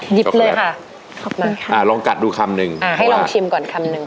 หยิบเลยค่ะออกมาค่ะอ่าลองกัดดูคำหนึ่งอ่าให้ลองชิมก่อนคำนึง